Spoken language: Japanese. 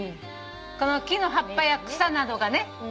この木の葉っぱや草などがね